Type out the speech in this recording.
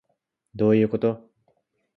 どういうこと